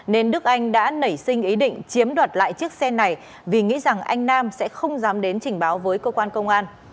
nên đức anh đã nảy sinh ý định chiếm đoạt lại chiếc xe này vì nghĩ rằng anh nam sẽ không dám đến trình báo với cơ quan công an